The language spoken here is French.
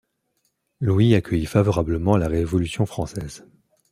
Louis accueillit favorablement la Révolution française.